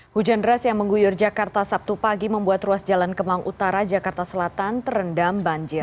hujan deras yang mengguyur jakarta sabtu pagi membuat ruas jalan kemang utara jakarta selatan terendam banjir